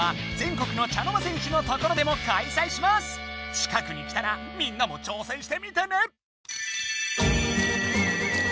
近くに来たらみんなも挑戦してみてね！